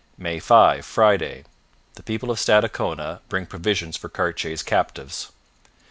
May 5 Friday The people of Stadacona, bring provisions for Cartier's captives.